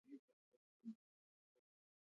ژبپوهان دي تحقیق وکړي.